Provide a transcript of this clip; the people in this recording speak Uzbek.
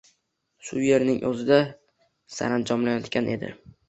Shu yerning o’zida saranjomlanayotgan edi.